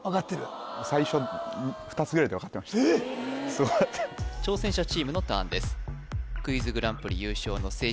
すごかった挑戦者チームのターンです